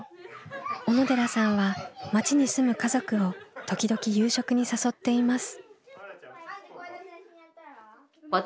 小野寺さんは町に住む家族を時々夕食に誘っています。